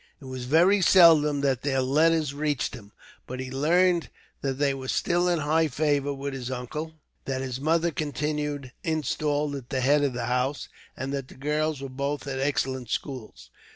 It was very seldom that their letters reached him; but he learned that they were still in high favour with his uncle, that his mother continued installed at the head of the house, and that the girls were both at excellent schools.